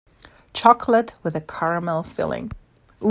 Chocolate with a caramel filling.